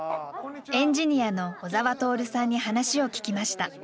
エンジニアの小澤徹さんに話を聞きました。